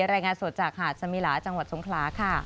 รายงานสดจากหาดสมิลาจังหวัดสงขลาค่ะ